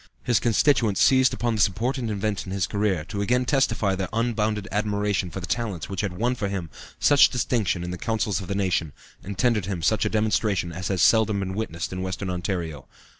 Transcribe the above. His constituents seized upon this important event in his career to again testify their unbounded admiration for the talents which had won for him such distinction in the councils of the nation, and tendered him such a demonstration as has seldom been witnessed in Western Ontario.